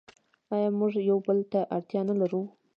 آیا موږ یو بل ته اړتیا نلرو؟